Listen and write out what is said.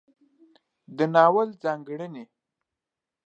د ناول ځانګړنې